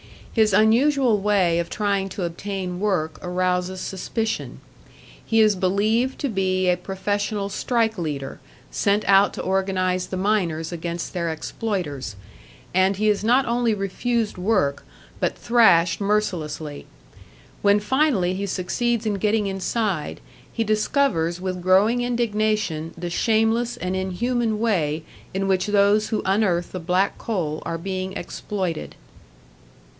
His unusual way of trying to obtain work arouses suspicion. He is believed to be a professional strike leader sent out to organise the miners against their exploiters, and he is not only refused work, but thrashed mercilessly. When finally he succeeds in getting inside, he discovers with growing indignation the shameless and inhuman way in which those who unearth the black coal are being exploited.